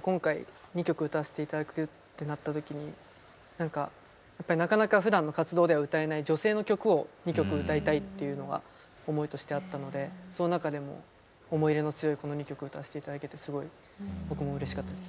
今回２曲歌わせて頂くってなった時になんかやっぱりなかなかふだんの活動では歌えない女性の曲を２曲歌いたいっていうのが思いとしてあったのでその中でも思い入れの強いこの２曲を歌わせて頂けてすごい僕もうれしかったです。